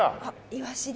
イワシです。